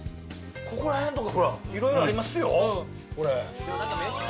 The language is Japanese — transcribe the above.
ここら辺とかほらいろいろありますよ